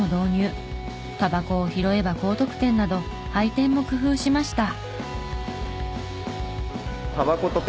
タバコを拾えば高得点など配点も工夫しました。